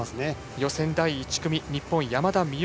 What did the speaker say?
予選第１組日本、山田美幸